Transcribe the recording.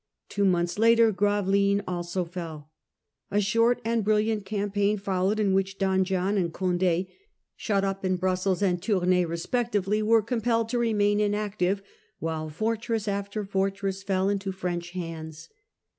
Two months later Grave Surrender lines also fell. A short and brilliant campaign ju?e U ^ l an'd followed, in which Don John and Condd, shut Of Grave up j n Brussels and Tournai respectively, were 29. 1658. compelled to remain inactive while fortress after fortress fell into French hands.